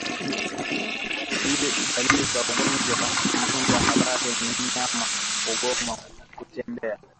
Dalili za ugonjwa wa ndigana baridi ni mnyama kugoma kutembea